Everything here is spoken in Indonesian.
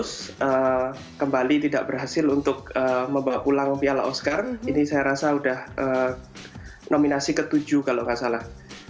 terus kembali tidak berhasil untuk membawa pulang piala oscar ini saya rasa sudah nominasi ke tujuh kalau nggak salah